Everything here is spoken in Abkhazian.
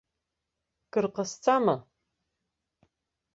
Кыр ҟасҵама.